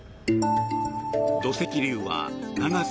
土石流は長さ